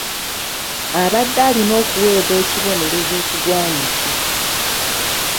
Abadde alina okuweebwa ekibonerezo ekigwanidde.